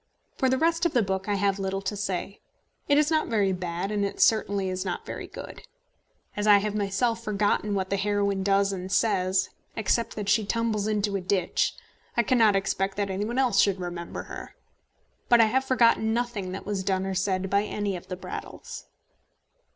For the rest of the book I have little to say. It is not very bad, and it certainly is not very good. As I have myself forgotten what the heroine does and says except that she tumbles into a ditch I cannot expect that any one else should remember her. But I have forgotten nothing that was done or said by any of the Brattles.